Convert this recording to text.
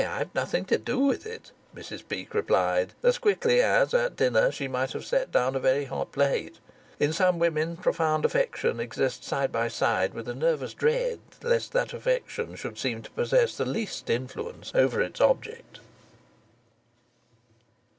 "Nay, I've nothing to do with it," Mrs Peake replied, as quickly as at dinner she might have set down a very hot plate. In some women profound affection exists side by side with a nervous dread lest that affection should seem to possess the least influence over its object.